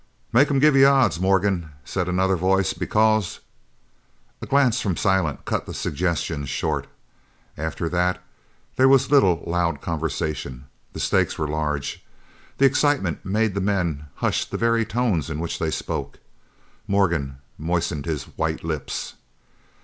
"Make him give you odds, Morgan," said another voice, "because " A glance from Silent cut the suggestion short. After that there was little loud conversation. The stakes were large. The excitement made the men hush the very tones in which they spoke. Morgan moistened his white lips.